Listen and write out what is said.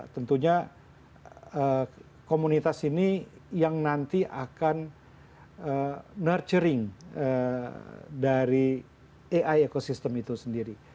tentunya komunitas ini yang nanti akan nurturing dari ai ekosistem itu sendiri